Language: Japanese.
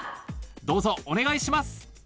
どうぞお願いします